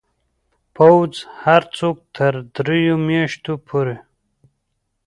پوځ هر څوک تر دریو میاشتو پورې